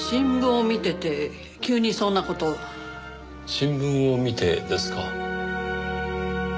新聞を見てですか。